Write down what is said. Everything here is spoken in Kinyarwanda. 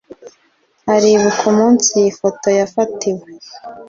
uribuka umunsi iyi foto yafatiwe